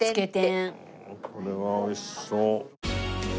これは美味しそう。